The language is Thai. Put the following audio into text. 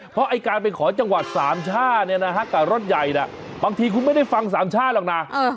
เพราะไอ้การไปขอจังหวัดสามชาติเนี่ยนะฮะกับรถใหญ่บางทีคุณไม่ได้ฟังสามชาติหรอกนะ